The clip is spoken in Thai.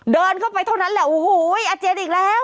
เดินเข้าไปเท่านั้นแหละโอ้โหอาเจียนอีกแล้ว